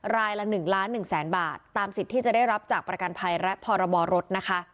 รายละ๑๑๐๐๐๐๐บาทตามสิทธิ์ที่จะได้รับจากประกันภัยและพรรรถ